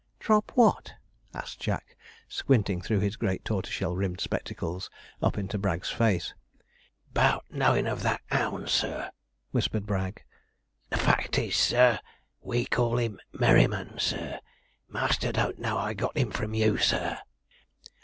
'Drop what?' asked Jack, squinting through his great tortoiseshell rimmed spectacles up into Bragg's face. ''Bout knowing of that 'ound, sir,' whispered Bragg; 'the fact is, sir we call him Merryman, sir; master don't know I got him from you, sir.'